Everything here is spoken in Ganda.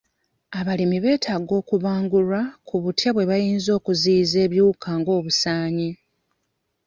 Abalimi beetaaga okubangulwa ku butya bwe bayinza okuziiyiza ebiwuka nga obusaanyi.